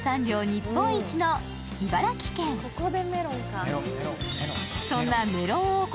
日本一の茨城県そんなメロン王国